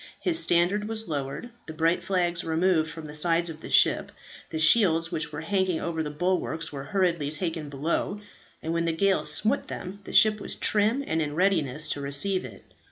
His standard was lowered, the bright flags removed from the sides of the ship, the shields which were hanging over the bulwarks were hurriedly taken below, and when the gale smote them, the ship was trim, and in readiness to receive it.